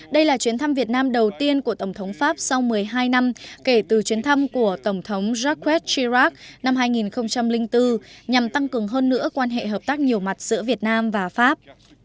đây là chuyến thăm việt nam đầu tiên của tổng thống pháp sau một mươi hai năm kể từ chuyến thăm của tổng thống jackwatt triark năm hai nghìn bốn nhằm tăng cường hơn nữa quan hệ hợp tác nhiều mặt giữa việt nam và pháp